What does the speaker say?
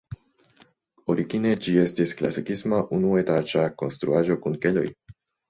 Origine ĝi estis klasikisma unuetaĝa konstruaĵo kun keloj.